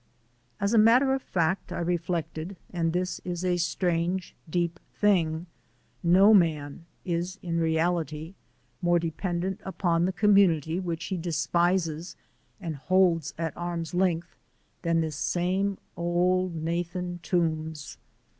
As a matter of fact, I reflected, and this is a strange, deep thing, no man is in reality more dependent upon the community which he despises and holds at arm's length than this same Old Nathan Toombs.